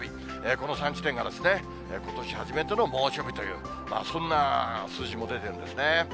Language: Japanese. この３地点がことし初めての猛暑日という、そんな数字も出てるんですね。